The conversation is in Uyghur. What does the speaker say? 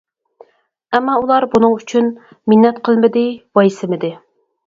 ئەمما ئۇلار بۇنىڭ ئۈچۈن مىننەت قىلمىدى، ۋايسىمىدى.